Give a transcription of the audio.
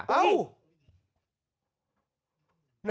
เอ้า